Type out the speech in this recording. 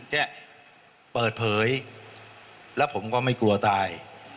เนี่ยเปิดเผยแล้วผมก็ไม่กลัวตาย